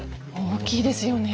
大きいですよね